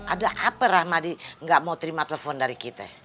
ada apa rahmadi gak mau terima telepon dari kita